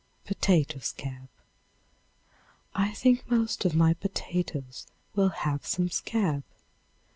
Potato Scab. I think most of my potatoes will have some scab.